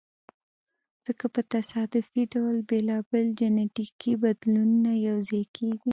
ځکه په تصادفي ډول بېلابېل جینټیکي بدلونونه یو ځای کیږي.